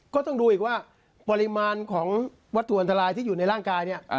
ก็ต้องดูอีกว่าปริมาณของวัตถุอันตรายที่อยู่ในร่างกายเนี่ย